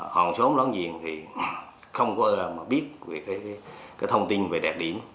hoàng sống lớn diện thì không có ơ mà biết về cái thông tin về đẹp điểm